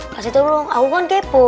kasih tolong aku kan kepo